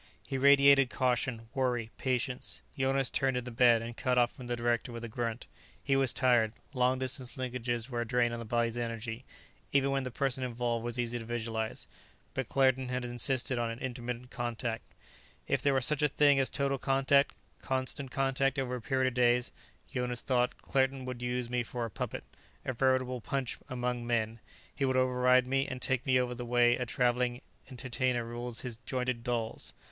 He radiated caution, worry, patience; Jonas turned in the bed and cut off from the director with a grunt. He was tired; long distance linkages were a drain on the body's energy, even when the person involved was easy to visualize. But Claerten had insisted on intermittent contact. If there were such a thing as total contact, constant contact over a period of days, Jonas thought, Claerten would use me for a puppet, a veritable Punch among men; he would override me and take me over the way a traveling entertainer rules his jointed dolls.